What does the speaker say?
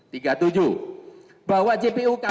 bahwa jpu kpk ini adalah kabur dan batal demi hukum